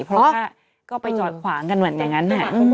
เพราะว่าก็ไปจอดขวางกันเหมือนอย่างนั้น